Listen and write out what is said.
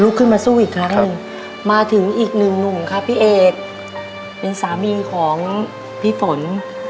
ขึ้นมาสู้อีกครั้งหนึ่งมาถึงอีกหนึ่งหนุ่มครับพี่เอกเป็นสามีของพี่ฝน